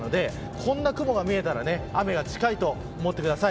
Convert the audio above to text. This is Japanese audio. こんな雲が見えたら雨が近いと思ってください。